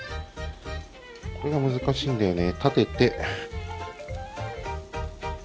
これが難しいんだよね。